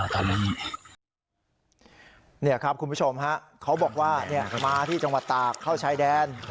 เขาบอกว่ามาที่จังหวัดตากเข้าชายแดน